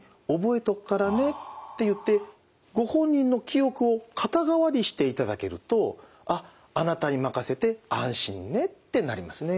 ご本人の記憶を肩代わりしていただけるとあっあなたに任せて安心ねってなりますね。